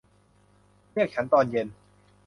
เรียกฉันตอนเย็น